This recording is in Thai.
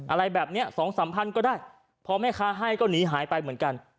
อะไรแบบเนี้ยสองสามพันก็ได้พอแม่ค้าให้ก็หนีหายไปเหมือนกัน